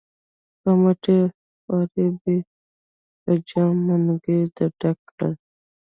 په مټې خوارۍ به یې په جام منګي را ډک کړل.